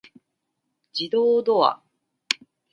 自動ドア